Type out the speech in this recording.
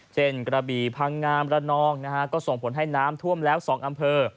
กระบี่พังงามระนองนะฮะก็ส่งผลให้น้ำท่วมแล้ว๒อำเภอ